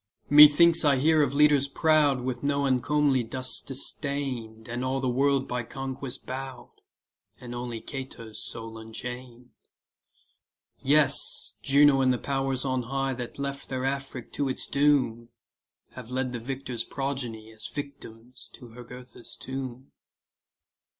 Methinks I hear of leaders proud With no uncomely dust distain'd, And all the world by conquest bow'd, And only Cato's soul unchain'd. Yes, Juno and the powers on high That left their Afric to its doom, Have led the victors' progeny As victims to Jugurtha's tomb.